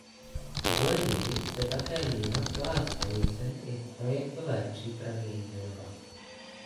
Podle něj se také měla celá stanice i v projektové přípravě jmenovat.